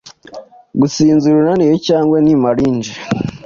Gusinzira unaniwe cyangwa ni malingers